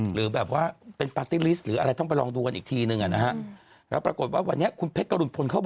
หรืออะไรต้องกดลองดูกันอีกทีนึงนะแล้วปรากฏว่าวันนี้เขาบอกว่า